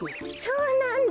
そうなんだ。